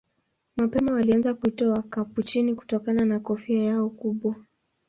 Mapema walianza kuitwa Wakapuchini kutokana na kofia yao kubwa.